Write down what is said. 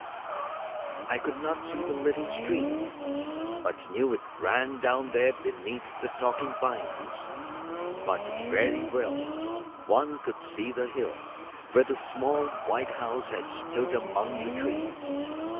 I could not see the little stream, but knew it ran down there beneath the talking pines. But very well one could see the hill where the small white house had stood among the trees.